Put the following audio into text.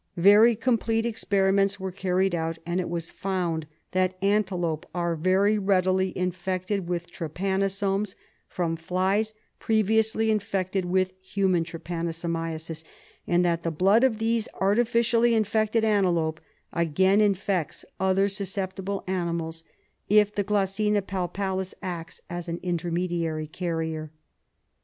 Very complete experiments were carried out, and it was found that antelope are very readily infected with trypanosomes from flies pre viously infected with human trypanosomiasis, and that the blood of these artificially infected antelope again infects other susceptible animals if the G. palpalis acts as an intermediary carrier.